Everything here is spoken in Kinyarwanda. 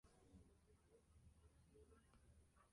Umwana arimo gusukwa nisoko y'amazi